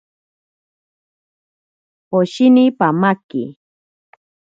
Poshini pamaki.